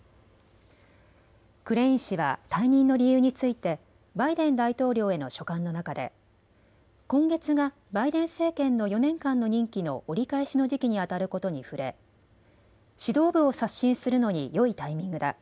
クレイン氏は退任の理由についてバイデン大統領への書簡の中で今月がバイデン政権の４年間の任期の折り返しの時期にあたることに触れ、指導部を刷新するのによいタイミングだ。